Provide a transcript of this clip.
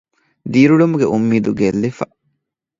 ދިރިއުޅުމުގެ އުންމީދު ގެއްލިފަ